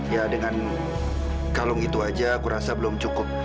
ya dengan kalung itu aja aku rasa belum cukup